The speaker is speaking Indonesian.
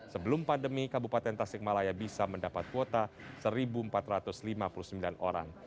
sebelum pandemi kabupaten tasikmalaya bisa mendapat kuota satu empat ratus lima puluh sembilan orang